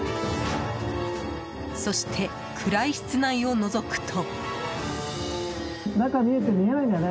そして、暗い室内をのぞくと。